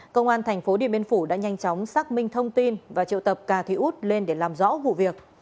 công an thành phố điện biên phủ đã nhanh chóng xác minh thông tin và triệu tập cà thị út lên để làm rõ vụ việc